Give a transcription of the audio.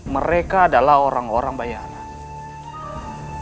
mereka adalah orang orang bayaran